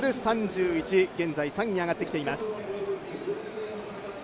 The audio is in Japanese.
１、現在３位に上がってきています。